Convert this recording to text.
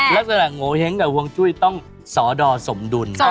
แล้วสำหรับโงเห้งกับหวงจุ้ยต้องสอดอสมดุล